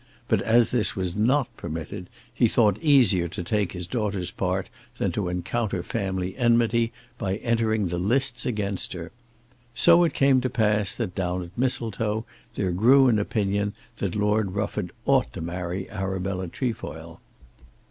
But as this was not permitted, he thought it easier to take his daughter's part than to encounter family enmity by entering the lists against her. So it came to pass that down at Mistletoe there grew an opinion that Lord Rufford ought to marry Arabella Trefoil.